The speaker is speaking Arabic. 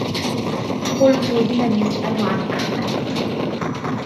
قلت لمن يسأل عن أحمد